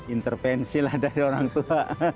intervensi lah dari orang tua